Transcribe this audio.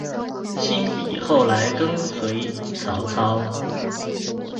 辛毗后来跟随曹操。